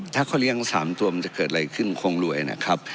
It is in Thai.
ถ้าเขาเลี้ยง๓ตัวมันจะเกิดอะไรขึ้นคงรวยนะครับ